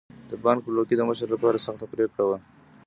د بانک خپلواکي د مشر لپاره سخته پرېکړه وه.